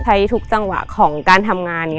ใช้ทุกจังหวะของการทำงาน